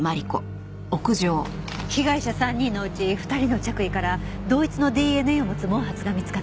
被害者３人のうち２人の着衣から同一のＤＮＡを持つ毛髪が見つかった。